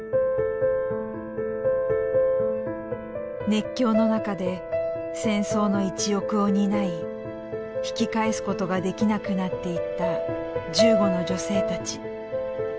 熱狂の中で戦争の一翼を担い引き返すことができなくなっていった銃後の女性たち。